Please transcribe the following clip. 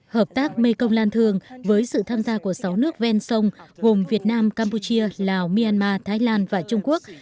hợp tác mê công lan thương với sự tham gia của sáu nước ven sông gồm việt nam campuchia lào myanmar thái lan và trung quốc